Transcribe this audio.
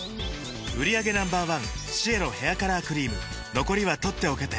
売上№１シエロヘアカラークリーム残りは取っておけて